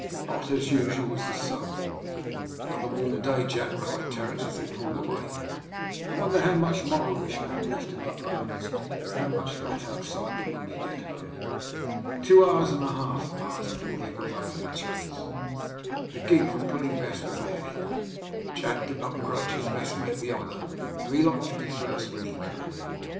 Hot, as usual, was the sun. "Another warm day, Jack," cried Terence, as they pulled away; "I wonder how much marrow we shall have left in our bones and how much fat outside them when we get home." Two hours and a half passed before they got up with the chase. The gig, from pulling best, was ahead. Jack did not grudge his messmate the honour, though he liked to be first when he could.